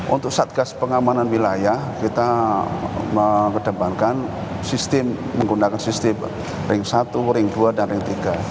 untuk satgas pengamanan wilayah kita mengedepankan sistem menggunakan sistem ring satu ring dua dan ring tiga